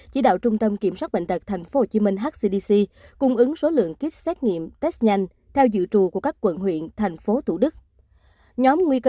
chỉ đạo trung tâm kiểm soát bệnh tật tp hcm hcdc cung ứng số lượng kit xét nghiệm test nhanh theo dự trù của các quận huyện thành phố thủ đức